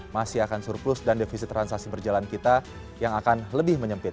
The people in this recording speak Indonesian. masih akan surplus dan defisit transaksi berjalan kita yang akan lebih menyempit